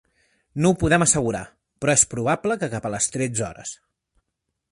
No ho podem assegurar, però és probable que cap a les tretze hores.